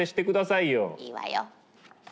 いいわよ。